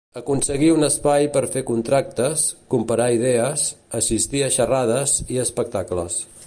Aconseguir un espai per fer contactes, comparar idees, assistir a xerrades i espectacles.